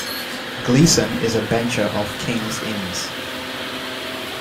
Gleeson is a Bencher of King's Inns.